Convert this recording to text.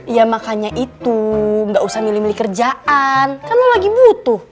ya makanya itu nggak usah milih milih kerjaan karena lagi butuh